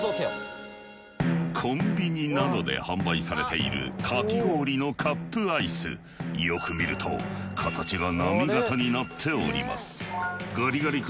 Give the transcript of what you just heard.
コンビニなどで販売されているかき氷のカップアイスよく見ると形が波型になっております